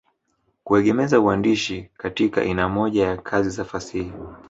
Kuegemeza uandishi katika ina moja ya kazi za fasihi